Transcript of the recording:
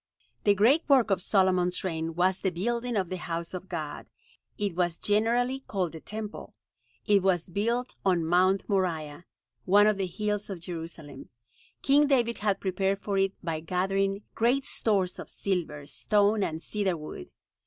The great work of Solomon's reign was the building of the House of God. It was generally called the Temple. It was built on Mount Moriah, one of the hills of Jerusalem. King David had prepared for it by gathering great stores of silver, stone and cedar wood.